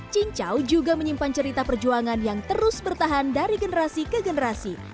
cincau juga menyimpan cerita perjuangan yang terus bertahan dari generasi ke generasi